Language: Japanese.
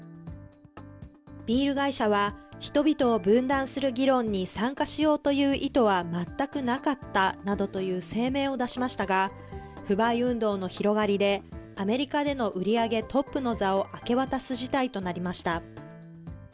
ビール会社は、人々を分断する議論に参加しようという意図はまったくなかったなどという声明を出しましたが、不買運動の広がりで、アメリカでの売り上げトップの座を明け渡す事態となりました。